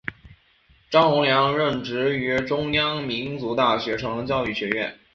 张宏良任职于中央民族大学成人教育学院。